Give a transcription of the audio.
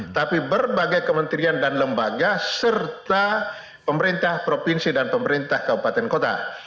tapi berbagai kementerian dan lembaga serta pemerintah provinsi dan pemerintah kabupaten kota